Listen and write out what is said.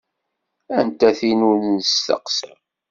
Anta tin ur d-nesteqsa.